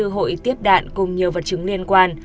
năm mươi bốn hội tiếp đạn cùng nhiều vật chứng liên quan